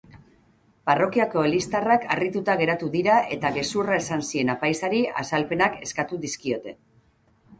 Parrokiako eliztarrek harrituta geratu dira eta gezurra esan zien apaizari azalpenak eskatu dizkiote.